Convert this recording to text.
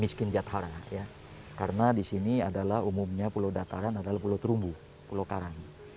miskin jathara karena di sini adalah umumnya pulau dataran adalah pulau terumbu pulau karang